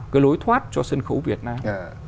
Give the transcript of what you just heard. cái lối thoát cho sân khấu việt nam